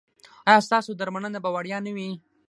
ایا ستاسو درملنه به وړیا نه وي؟